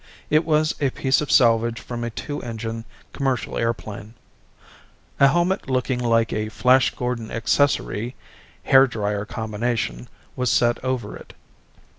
It was a piece of salvage from a two engine commercial airplane. A helmet looking like a Flash Gordon accessory hair drier combination was set over it.